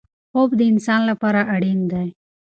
خوب د انسان لپاره اړین دی.